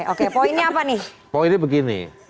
oke poinnya apa nih poinnya begini